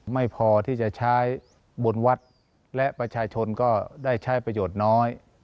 ไม่พอที่จะใช้บนวัดและประชาชนก็ได้ใช้ประโยชน์น้อย